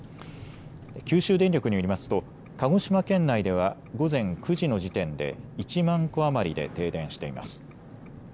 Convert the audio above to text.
九州電力によりますと鹿児島県内では午前９時の時点で１万戸余りで停電しています。